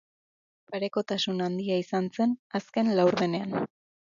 Parekotasun handia izan zen azken laurdenean.